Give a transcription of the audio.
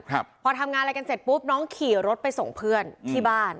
ครับพอทำงานอะไรกันเสร็จปุ๊บน้องขี่รถไปส่งเพื่อนที่บ้าน